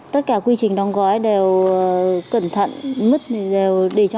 dạ có tất cả quy trình đâm gói đều cẩn thận mứt đều để trong thùng sạch sẽ